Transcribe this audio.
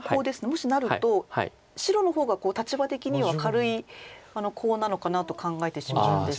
もしなると白の方が立場的には軽いコウなのかなと考えてしまうんですが。